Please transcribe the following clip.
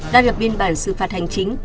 đã lập biên bản xử phạt hành chính